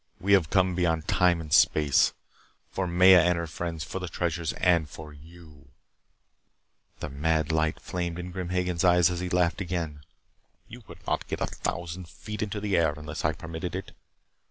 "We have come beyond time and space for Maya and her friends for the treasures and for you " The mad light flamed in Grim Hagen's eyes as he laughed again. "You could not get a thousand feet into the air unless I permitted it.